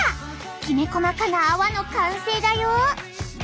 きめ細かな泡の完成だよ！